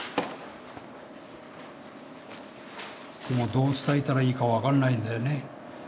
でもどう伝えたらいいか分かんないんだよね。